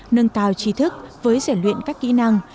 nâng cao trí thức với giải luyện các kỹ năng